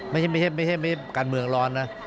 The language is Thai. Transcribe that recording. ไม่ให้การเมืองร้อนนะ